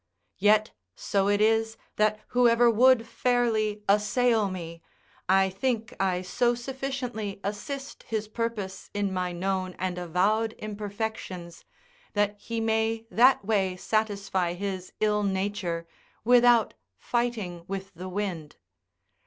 Yet so it is, that whoever would fairly assail me, I think I so sufficiently assist his purpose in my known and avowed imperfections, that he may that way satisfy his ill nature without fighting with the wind.